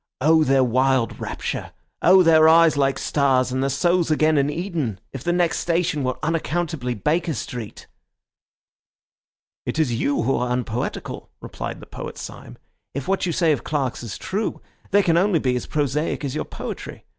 Oh, their wild rapture! oh, their eyes like stars and their souls again in Eden, if the next station were unaccountably Baker Street!" "It is you who are unpoetical," replied the poet Syme. "If what you say of clerks is true, they can only be as prosaic as your poetry.